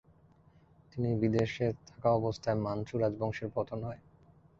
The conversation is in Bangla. তিনি বিদেশে থাকা অবস্থায় মানচু রাজবংশের পতন হয়।